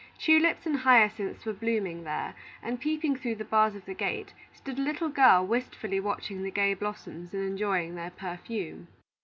Tulips and hyacinths were blooming there, and, peeping through the bars of the gate, stood a little girl wistfully watching the gay blossoms and enjoying their perfume.